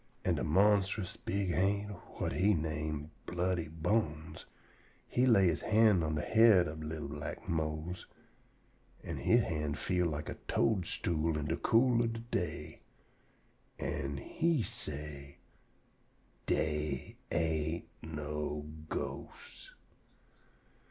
An' de monstrous big ha'nt whut he name Bloody Bones he lay he hand on de head ob li'l black Mose, and he hand feel like a toadstool in de cool ob de day, an' he say: "Dey ain't no ghosts."